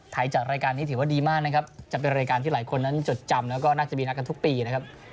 จัดรายการนี้ถือว่าดีมากนะครับจะเป็นรายการที่หลายคนนั้นจดจำแล้วก็น่าจะมีนัดกันทุกปีนะครับ